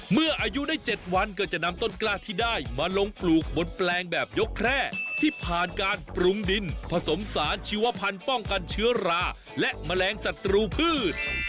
เมื่ออายุได้๗วันก็จะนำต้นกล้าที่ได้มาลงปลูกบนแปลงแบบยกแคร่ที่ผ่านการปรุงดินผสมสารชีวพันธ์ป้องกันเชื้อราและแมลงศัตรูพืช